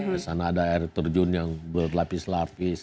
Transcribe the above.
di sana ada air terjun yang berlapis lapis